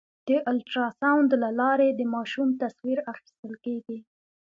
د الټراساونډ له لارې د ماشوم تصویر اخیستل کېږي.